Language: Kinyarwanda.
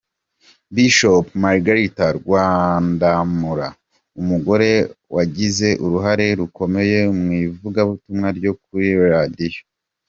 Bishop Margret Rwandamura: Umugore wagize uruhare rukomeye mu ivugabutumwa ryo kuri radiyo.